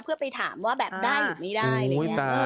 เพื่อไปถามว่าแบบได้หรือไม่ได้